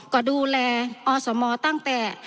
ก็ดูแลอสมตั้งแต่